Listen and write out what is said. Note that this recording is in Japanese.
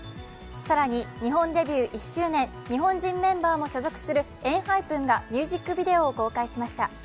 更に、日本デビュー１周年、日本人メンバーも所属するＥＮＨＹＰＥＮがミュージックビデオを公開しました。